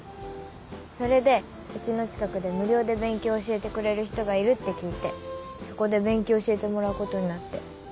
それで家の近くで無料で勉強を教えてくれる人がいるって聞いてそこで勉強教えてもらうことになって。